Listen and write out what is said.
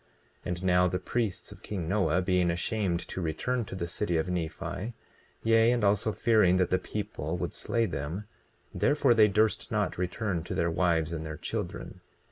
20:3 And now the priests of king Noah, being ashamed to return to the city of Nephi, yea, and also fearing that the people would slay them, therefore they durst not return to their wives and their children.